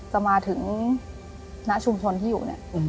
จะมาถึงณชุมชนที่อยู่เนี่ย